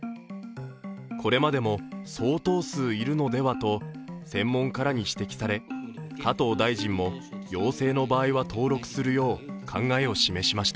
これまでも相当数いるのではと専門家らに指摘され加藤大臣も陽性の場合は登録するよう考えを示しました。